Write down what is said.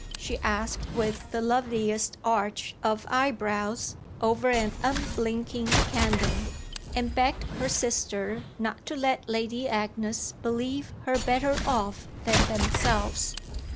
she asked with the loveliest arch of eyebrows over an unblinking candour and begged her sister not to let Lady Agnes believe her better off than themselves.